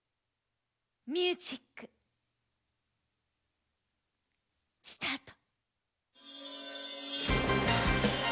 ミュージックスタート！